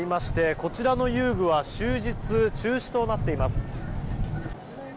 こちらの遊具は終日、中止となっています。